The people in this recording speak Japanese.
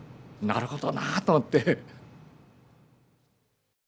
なるほどなぁと思って。